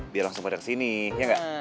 biar langsung pada kesini ya nggak